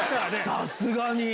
さすがに。